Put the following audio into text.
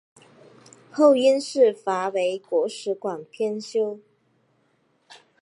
后因事贬为国史馆编修。